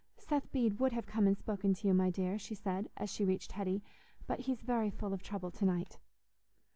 "Seth Bede would have come and spoken to you, my dear," she said, as she reached Hetty, "but he's very full of trouble to night."